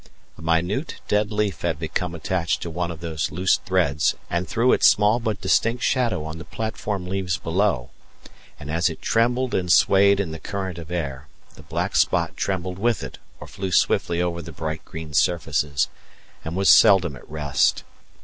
A minute dead leaf had become attached to one of the loose threads and threw its small but distinct shadow on the platform leaves below; and as it trembled and swayed in the current of air, the black spot trembled with it or flew swiftly over the bright green surfaces, and was seldom at rest.